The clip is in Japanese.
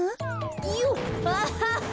よっアハハ！